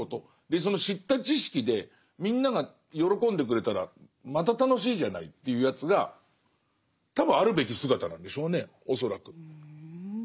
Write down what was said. でその知った知識でみんなが喜んでくれたらまた楽しいじゃないっていうやつが多分あるべき姿なんでしょうね恐らく。